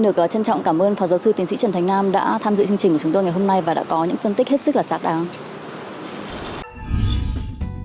trân trọng cảm ơn phó giáo sư tiến sĩ trần thành nam đã tham dự chương trình của chúng tôi ngày hôm nay và đã có những phân tích hết sức là xác đáng